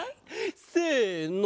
せの！